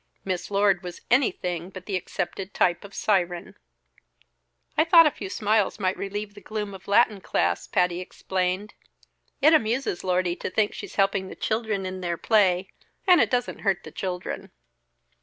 Miss Lord was anything but the accepted type of siren. "I thought a few smiles might relieve the gloom of Latin class," Patty explained. "It amuses Lordy to think she's helping the children in their play; and it doesn't hurt the children."